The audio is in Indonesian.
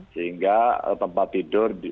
sehingga tempat tidur